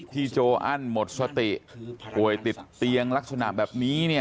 ที่โจอันทร์หมดสติโดยติดเตียงลักษณะแบบนี้